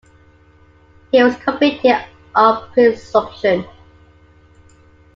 He was convicted of presumption.